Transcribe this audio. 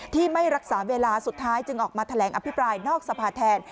ที่ไม่รักษาเวลาสุดท้ายจึงออกมาแถลงอภิปรายนอกสภาแทน